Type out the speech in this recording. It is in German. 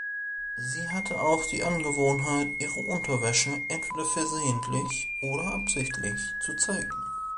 Sie hatte auch die Angewohnheit, ihre Unterwäsche entweder versehentlich oder absichtlich zu zeigen.